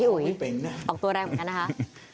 อุ๋ยออกตัวแรงเหมือนกันนะคะ